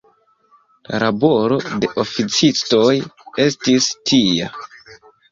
La laboro de oficistoj estis tia.